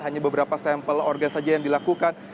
hanya beberapa sampel organ saja yang dilakukan